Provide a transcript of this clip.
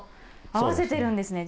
合わせてるんですね。